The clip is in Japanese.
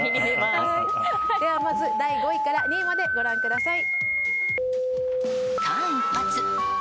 ではまず第５位から２位までご覧ください。